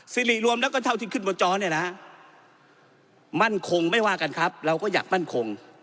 สิริรวมแล้วก็เท่าที่ขึ้นบนจอเนี่ยนะฮะมั่นคงไม่ว่ากันครับเราก็อยากมั่นคง